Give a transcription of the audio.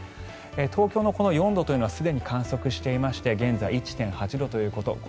東京の４度というのはすでに観測していまして現在１．８度ということ